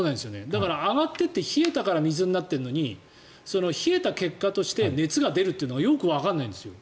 だから、上がっていって冷えたから水になっているのに冷えた結果として熱が出るというのはよくわからないんですよ